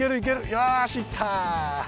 よしいった。